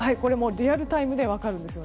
リアルタイムで分かるんです。